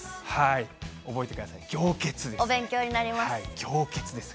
覚えてください、お勉強になります。